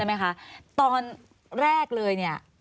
ไหมคะตอนแรกเลยเนี่ย